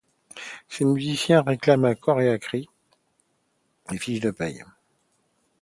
Ces musiciens réclament à cris et à corps des fiches de paie.